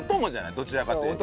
どちらかというと。